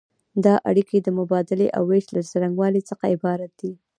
دا اړیکې د مبادلې او ویش له څرنګوالي څخه عبارت دي.